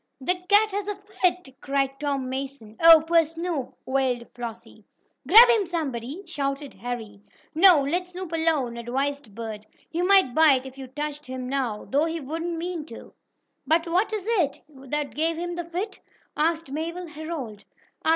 "The cat has a fit!" cried Tom Mason. "Oh, poor Snoop!" wailed Flossie. "Grab him, somebody!" shouted Harry. "No, let Snoop alone!" advised Bert. "He might bite, if you touched him now, though he wouldn't mean to." "But what is it? What gave him the fit?" asked Mabel Herold.